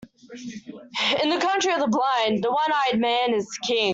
In the country of the blind, the one-eyed man is king.